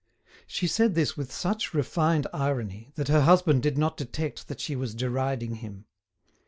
She said this with such refined irony that her husband did not detect that she was deriding him.